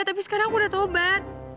tapi sekarang aku udah taubat